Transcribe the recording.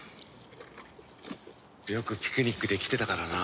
よくピクニックで来てたからな。